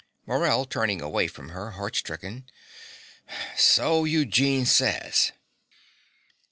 MORELL (turning away from her, heart stricken). So Eugene says.